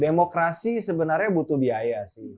demokrasi sebenarnya butuh biaya sih